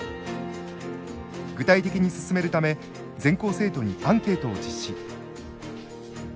具体的に進めるため全校生徒にアンケートを実施。